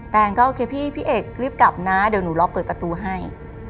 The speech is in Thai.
แต้งก็พี่เอกรีบกลับนะเดี๋ยวหนูลองเปิดประตูให้